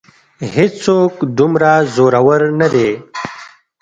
هېڅ څوک دومره زورور نه دی.